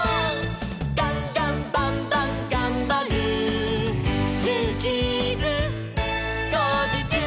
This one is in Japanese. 「ガンガンバンバンがんばる」「ジューキーズ」「こうじちゅう！」